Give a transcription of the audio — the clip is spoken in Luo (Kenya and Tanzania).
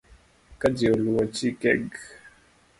Ka ji oluwo chikeg